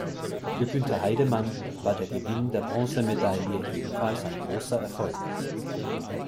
Für Günther Heidemann war der Gewinn der Bronzemedaille ebenfalls ein großer Erfolg.